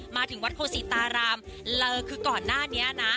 มาถึงวัดโพศิตารามคือก่อนหน้านี้นะ